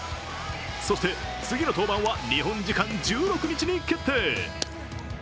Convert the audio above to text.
そして、次の登板は日本時間１６日に決定。